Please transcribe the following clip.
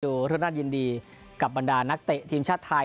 ดูเรื่องน่ายินดีกับบรรดานักเตะทีมชาติไทย